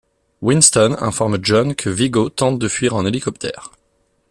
Winston informe John que Viggo tente de fuir en hélicoptère.